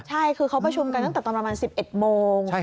ใช่คือเขาประชุมกันตั้งแต่ตอนประมาณ๑๑โมง